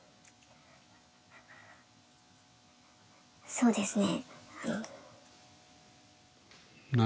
そうですね。